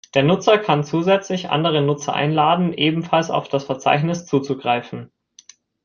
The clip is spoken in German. Der Nutzer kann zusätzlich andere Nutzer einladen, ebenfalls auf das Verzeichnis zuzugreifen.